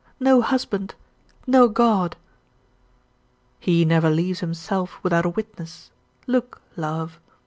no husband! no God!" "He never leaves Himself without a witness. Look, love."